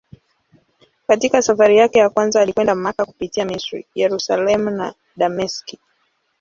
Katika safari yake ya kwanza alikwenda Makka kupitia Misri, Yerusalemu na Dameski.